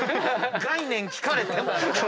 概念聞かれても。